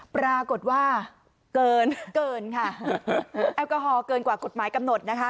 ปรากฏว่าเกินเกินค่ะแอลกอฮอลเกินกว่ากฎหมายกำหนดนะคะ